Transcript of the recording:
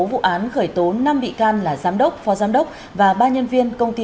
vụ án khởi tố năm bị can là giám đốc phó giám đốc và ba nhân viên công ty